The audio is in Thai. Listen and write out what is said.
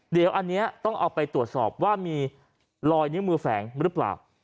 เดี๋ยวอันนี้ต้องเอาไปตรวจสอบว่ามีรอยนิ้วมือแฝงหรือเปล่า